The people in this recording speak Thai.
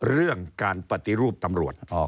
เรื่องการปฏิรูปตำรวจ